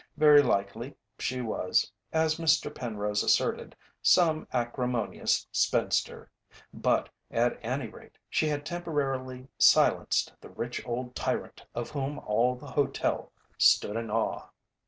Very likely she was, as Mr. Penrose asserted, some acrimonious spinster, but, at any rate, she had temporarily silenced the rich old tyrant of whom all the hotel stood in awe.